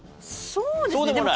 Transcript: そうですね。